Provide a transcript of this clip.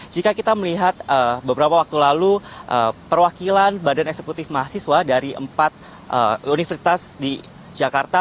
jika kita melihat beberapa waktu lalu perwakilan badan eksekutif mahasiswa dari empat universitas di jakarta